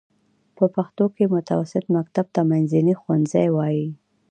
په پښتو کې متوسطه مکتب ته منځنی ښوونځی وايي.